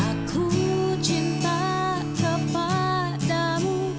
aku cinta kepadamu